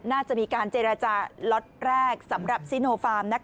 น่าจะมีการเจรจาล็อตแรกสำหรับซิโนฟาร์ม